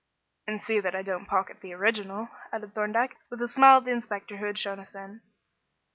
"And see that I don't pocket the original," added Thorndyke, with a smile at the inspector who had shown us in.